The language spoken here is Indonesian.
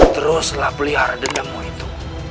teruslah pelihara dendamu itu